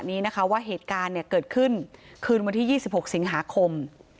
นี้นะคะว่าเหตุการณ์เนี่ยเกิดขึ้นคืนวันที่๒๖สิงหาคม